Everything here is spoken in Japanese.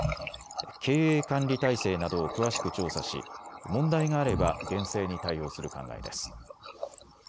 経営管理体制などを詳しく調査し問題があれば厳正に対応する考えです。